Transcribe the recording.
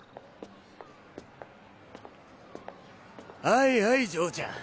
はいはい嬢ちゃん